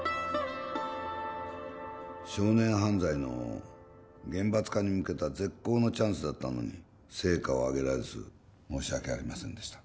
少年犯罪の厳罰化に向けた絶好のチャンスだったのに成果を上げられず申し訳ありませんでした